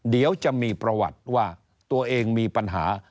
เดี๋ยวจะมีประวัติว่าตัวเองมีปัญหา